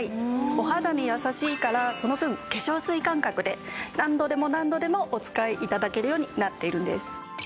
お肌に優しいからその分化粧水感覚で何度でも何度でもお使い頂けるようになっているんです。